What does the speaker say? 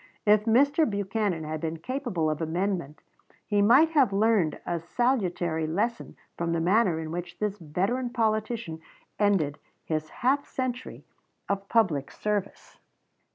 If Mr. Buchanan had been capable of amendment, he might have learned a salutary lesson from the manner in which this veteran politician ended his half century of public service.